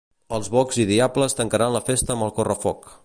Els bocs i diables tancaran la festa amb el correfoc